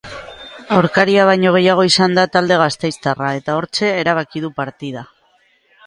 Aurkaria baino gehiago izan da talde gasteiztarra, eta hortxe erabaki du partida.